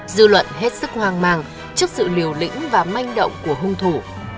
dư luận hết sức hoang mang trước sự liều lĩnh và manh động của hung thủ